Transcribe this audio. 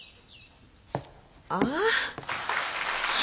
ああ。